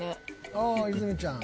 ああ泉ちゃん